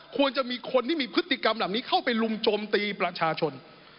ควรจะมีคนที่มีพฤติกรรมเหล่านี้เข้าไปลุมโจมตีประชาชน